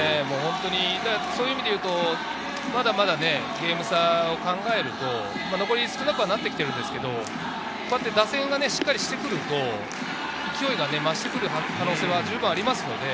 そういう意味でいうとまだまだゲーム差を考えると、残り少なくはなってきているんですけれど、打線がしっかりしてくると勢いが増してくる可能性は十分あります。